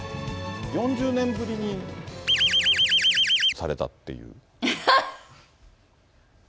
４０年ぶりに×××されたっていう。